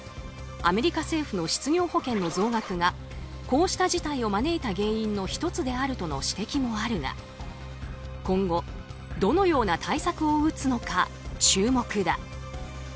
アメリカ政府の失業保険の増額がこうした事態を招いた原因の１つであるとの指摘もあるが今後どのような対策を打つのか注目だ。